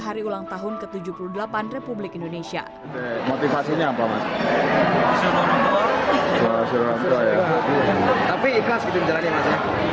hari ulang tahun ke tujuh puluh delapan republik indonesia motivasinya apa mas